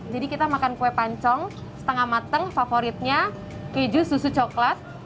jadi kita makan kue pancong setengah matang favoritnya keju susu coklat